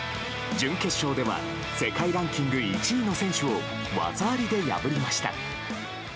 準決勝では世界ランキング１位の選手を技ありで破りました。